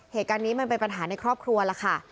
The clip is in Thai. เหตุการณ์นี้มันเป็นปัญหาในครอบครัวล่ะค่ะ